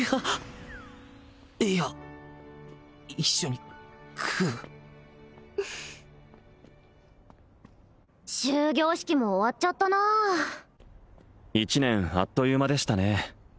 いや一緒に食う終業式も終わっちゃったな一年あっという間でしたね